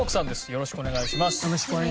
よろしくお願いします。